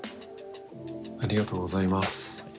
ありがとうございます。